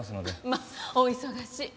まあお忙しい。